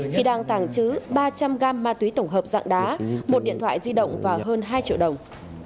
khi đang tàng trữ ba trăm linh g ma túy tổng hợp dạng đá một điện thoại di động và hơn hai triệu đồng